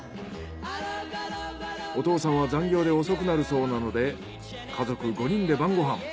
お父さんは残業で遅くなるそうなので家族５人で晩ご飯。